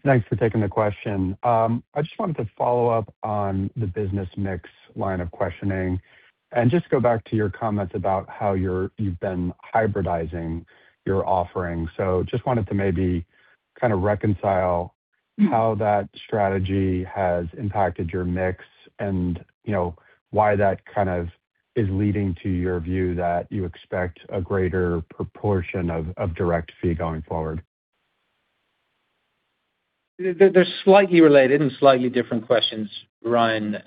Thanks for taking the question. I just wanted to follow up on the business mix line of questioning and just go back to your comments about how you've been hybridizing your offering. Just wanted to maybe kind of reconcile how that strategy has impacted your mix and why that kind of is leading to your view that you expect a greater proportion of direct fee going forward. They're slightly related and slightly different questions, Ryan.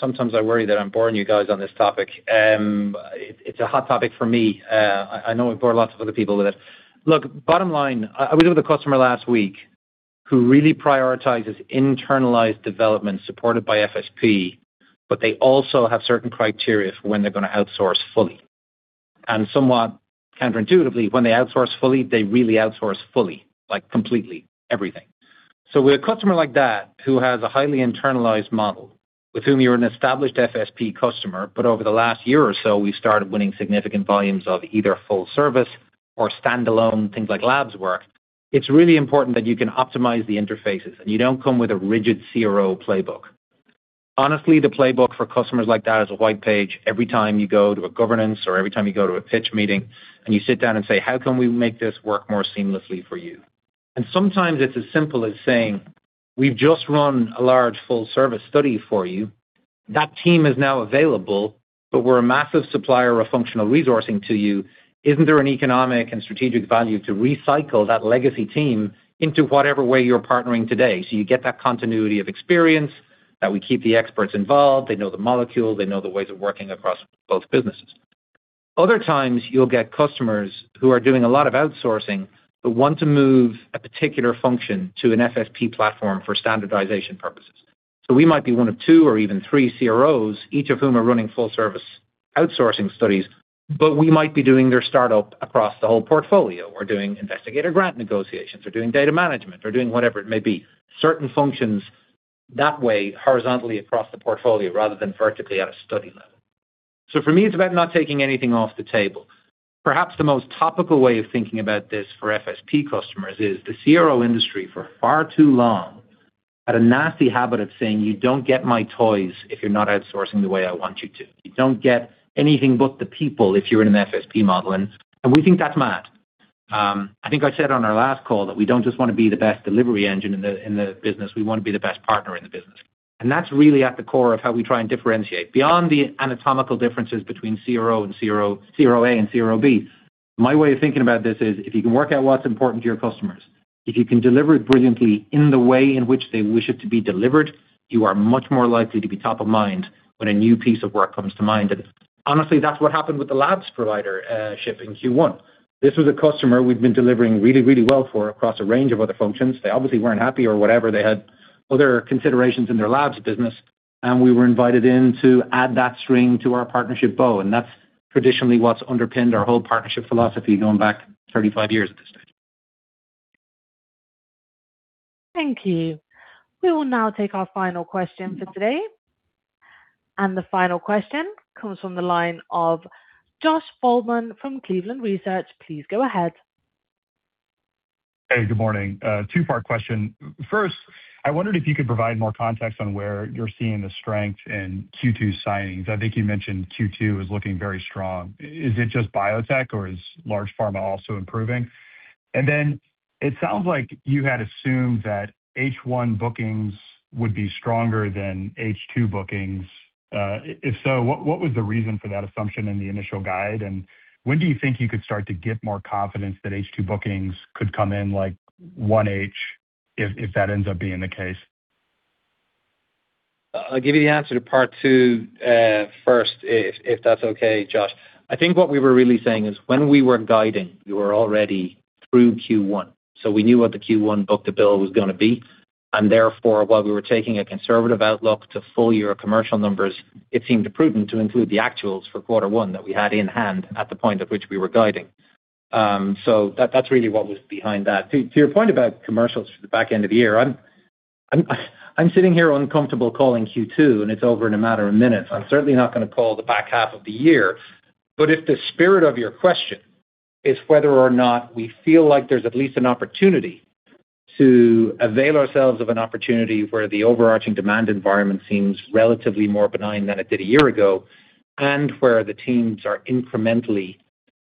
Sometimes I worry that I'm boring you guys on this topic. It's a hot topic for me. I know I bore lots of other people with it. Look, bottom line, I was with a customer last week who really prioritizes internalized development supported by FSP, but they also have certain criteria for when they're going to outsource fully. Somewhat counterintuitively, when they outsource fully, they really outsource fully, like completely everything. With a customer like that who has a highly internalized model with whom you're an established FSP customer, but over the last year or so, we started winning significant volumes of either full service or standalone things like labs work. It's really important that you can optimize the interfaces and you don't come with a rigid CRO playbook. Honestly, the playbook for customers like that is a white page. Every time you go to a governance or every time you go to a pitch meeting and you sit down and say, "How can we make this work more seamlessly for you?" Sometimes it's as simple as saying, "We've just run a large full-service study for you. That team is now available, but we're a massive supplier of functional resourcing to you. Isn't there an economic and strategic value to recycle that legacy team into whatever way you're partnering today so you get that continuity of experience, that we keep the experts involved, they know the molecule, they know the ways of working across both businesses?" Other times you'll get customers who are doing a lot of outsourcing but want to move a particular function to an FSP platform for standardization purposes. We might be one of two or even three CROs, each of whom are running full service outsourcing studies, but we might be doing their startup across the whole portfolio, or doing investigator grant negotiations, or doing data management, or doing whatever it may be. Certain functions that way horizontally across the portfolio rather than vertically at a study level. For me, it's about not taking anything off the table. Perhaps the most topical way of thinking about this for FSP customers is the CRO industry for far too long, had a nasty habit of saying, "You don't get my toys if you're not outsourcing the way I want you to. You don't get anything but the people if you're in an FSP model." We think that's mad. I think I said on our last call that we don't just want to be the best delivery engine in the business. We want to be the best partner in the business. That's really at the core of how we try and differentiate beyond the anatomical differences between CRO A and CRO B. My way of thinking about this is if you can work out what's important to your customers, if you can deliver it brilliantly in the way in which they wish it to be delivered, you are much more likely to be top of mind when a new piece of work comes to mind. Honestly, that's what happened with the labs provider ship in Q1. This was a customer we'd been delivering really, really well for across a range of other functions. They obviously weren't happy or whatever. They had other considerations in their labs business, we were invited in to add that string to our partnership bow, that's traditionally what's underpinned our whole partnership philosophy going back 35 years at this stage. Thank you. We will now take our final question for today, the final question comes from the line of Josh Waldman from Cleveland Research. Please go ahead. Hey, good morning. A two-part question. First, I wondered if you could provide more context on where you're seeing the strength in Q2 signings. I think you mentioned Q2 is looking very strong. Is it just biotech or is large pharma also improving? It sounds like you had assumed that H1 bookings would be stronger than H2 bookings. If so, what was the reason for that assumption in the initial guide? When do you think you could start to get more confidence that H2 bookings could come in like 1H if that ends up being the case? I'll give you the answer to part two first, if that's okay, Josh. I think what we were really saying is when we were guiding, you were already through Q1, so we knew what the Q1 book-to-bill was going to be, and therefore, while we were taking a conservative outlook to full-year commercial numbers, it seemed prudent to include the actuals for quarter one that we had in hand at the point at which we were guiding. That's really what was behind that. To your point about commercials for the back end of the year, I'm sitting here uncomfortable calling Q2, and it's over in a matter of minutes. I'm certainly not going to call the back half of the year. If the spirit of your question is whether or not we feel like there's at least an opportunity to avail ourselves of an opportunity where the overarching demand environment seems relatively more benign than it did a year ago, and where the teams are incrementally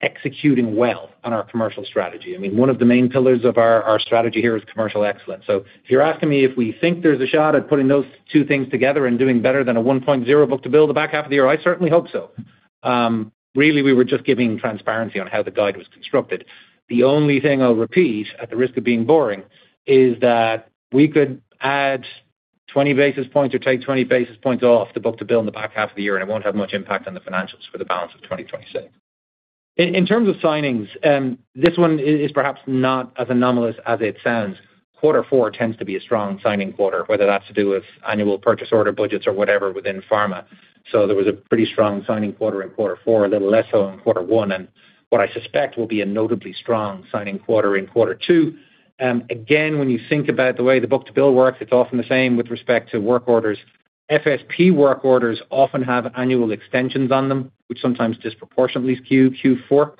executing well on our commercial strategy. I mean, one of the main pillars of our strategy here is commercial excellence. If you're asking me if we think there's a shot at putting those two things together and doing better than a 1.0x book-to-bill the back half of the year, I certainly hope so. Really, we were just giving transparency on how the guide was constructed. The only thing I'll repeat, at the risk of being boring, is that we could add 20 basis points or take 20 basis points off the book-to-bill in the back half of the year, and it won't have much impact on the financials for the balance of 2026. In terms of signings, this one is perhaps not as anomalous as it sounds. Quarter four tends to be a strong signing quarter, whether that's to do with annual purchase order budgets or whatever within pharma. There was a pretty strong signing quarter in quarter four, a little less so in quarter one, and what I suspect will be a notably strong signing quarter in quarter two. Again, when you think about the way the book-to-bill works, it's often the same with respect to work orders. FSP work orders often have annual extensions on them, which sometimes disproportionately skew Q4.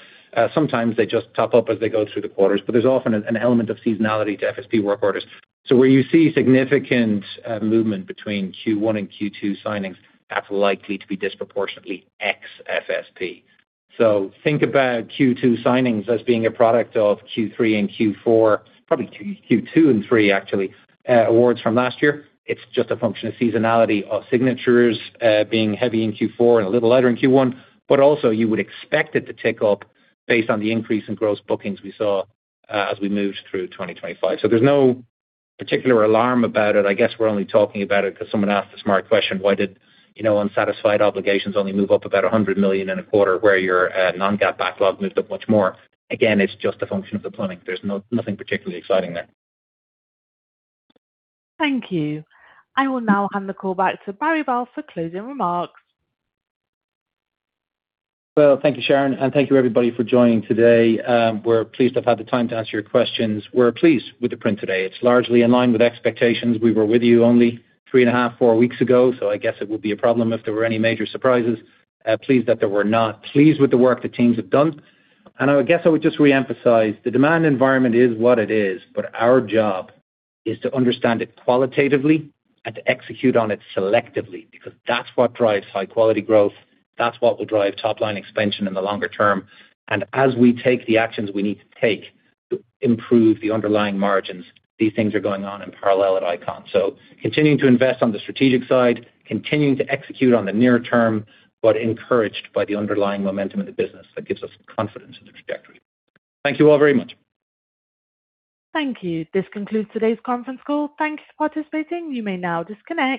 Sometimes they just top up as they go through the quarters, but there's often an element of seasonality to FSP work orders. Where you see significant movement between Q1 and Q2 signings, that's likely to be disproportionately ex FSP. Think about Q2 signings as being a product of Q3 and Q4, probably Q2 and three actually, awards from last year. It's just a function of seasonality of signatures being heavy in Q4 and a little lighter in Q1. You would expect it to tick up based on the increase in gross bookings we saw as we moved through 2025. There's no particular alarm about it. We're only talking about it because someone asked a smart question, why did unsatisfied obligations only move up about $100 million in a quarter where your non-GAAP backlog moved up much more? It's just a function of the plumbing. There's nothing particularly exciting there. Thank you. I will now hand the call back to Barry Balfe for closing remarks. Thank you, Sharon, and thank you everybody for joining today. We're pleased to have had the time to answer your questions. We're pleased with the print today. It's largely in line with expectations. We were with you only three and a half, four weeks ago. It would be a problem if there were any major surprises. Pleased that there were not. Pleased with the work the teams have done. I would just reemphasize, the demand environment is what it is, but our job is to understand it qualitatively and to execute on it selectively, because that's what drives high-quality growth. That's what will drive top-line expansion in the longer term. As we take the actions we need to take to improve the underlying margins, these things are going on in parallel at ICON. Continuing to invest on the strategic side, continuing to execute on the near term, but encouraged by the underlying momentum of the business. That gives us confidence in the trajectory. Thank you all very much. Thank you. This concludes today's conference call. Thank you for participating. You may now disconnect.